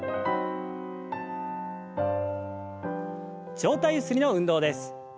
上体ゆすりの運動です。